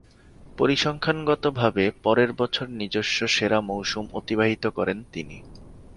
পরিসংখ্যানগতভাবে পরের বছর নিজস্ব সেরা মৌসুম অতিবাহিত করেন তিনি।